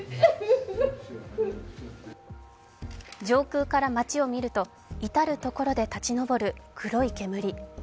上空から町を見ると至る所で立ち上る黒い煙。